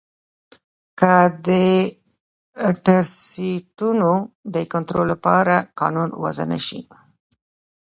که د ټرسټونو د کنترول لپاره قانون وضعه نه شي